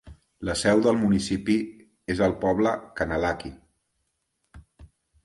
La seu del municipi és el poble Kanallaki.